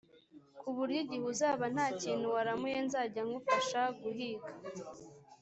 ku buryo igihe uzaba nta kintu waramuye nzajya ngufasha guhiga